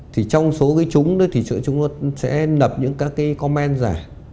thì trong số cái chúng đó thì chúng sẽ lập những các cái comment giả